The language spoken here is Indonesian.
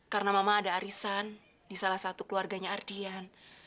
karena mama ada arisan di salah satu keluarganya ardian